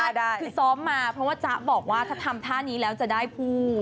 คือซ้อมมาเพราะว่าจ๊ะบอกว่าถ้าทำท่านี้แล้วจะได้ผู้